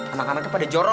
anak anaknya pada jorok